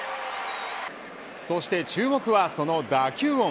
そして注目はその打球音。